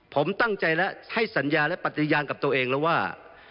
ผมตั้งใจและให้สัญญาและปฏิญาณกับตัวเองแล้วว่า